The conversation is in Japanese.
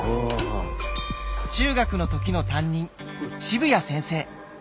中学の時の担任渋谷先生。